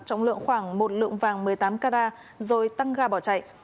trọng lượng khoảng một lượng vàng một mươi tám carat rồi tăng ga bỏ chạy